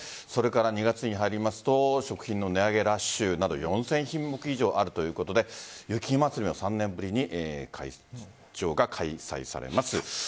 ２月に入りますと食品の値上げラッシュなど４０００品目以上あるということで雪まつりが３年ぶりに開催されます。